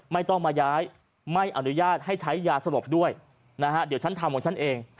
ไม่ต้องมาย้ายไม่อนุญาตให้ใช้ยาสลบด้วยนะฮะเดี๋ยวฉันทำของฉันเอง